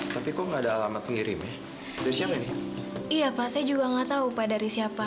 tapi kok nggak ada alamat pengirim dari siapa ini iya pak saya juga nggak tahu pak dari siapa